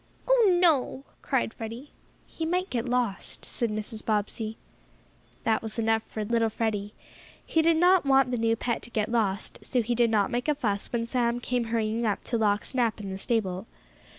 "Oh, no!" cried Freddie. "He might get lost," said Mrs. Bobbsey. That was enough for Freddie. He did not want the new pet to get lost, so he did not make a fuss when Sam came hurrying up to lock Snap in the stable.